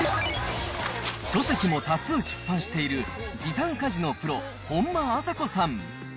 書籍も多数出版している時短家事のプロ、本間朝子さん。